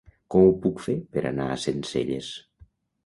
Com ho puc fer per anar a Sencelles?